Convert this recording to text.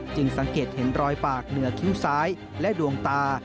สังเกตเห็นรอยปากเหนือคิ้วซ้ายและดวงตา